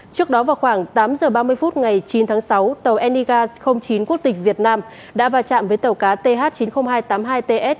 trước đó vào khoảng tám h ba mươi ngày chín tháng sáu tàu enigas chín quốc tịch việt nam đã vai trạm với tàu cá th chín mươi nghìn hai trăm tám mươi hai ts